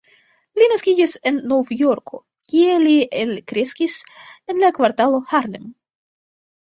Li naskiĝis en Novjorko, kie li elkreskis en la kvartalo Harlem.